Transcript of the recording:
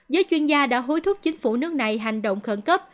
giới chuyên gia đã hối thúc chính phủ nước này hành động khẩn cấp